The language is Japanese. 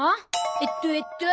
えっとえっと。